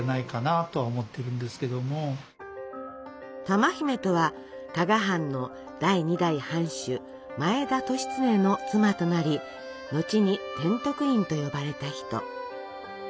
珠姫とは加賀藩の第２代藩主前田利常の妻となり後に天徳院と呼ばれた人。